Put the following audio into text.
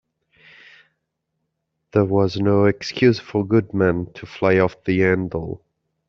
There was no excuse for Goodman to fly off the handle.